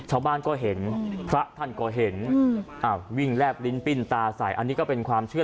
ชาวบ้านก็เห็นพระท่านก็เห็นวิ่งแลบลิ้นปิ้นตาใส่อันนี้ก็เป็นความเชื่อ